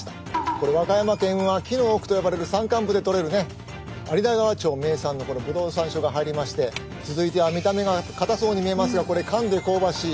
これ和歌山県は紀の奥と呼ばれる山間部でとれるね有田川町名産のこのぶどうさんしょうが入りまして続いては見た目がかたそうに見えますがこれかんで香ばしい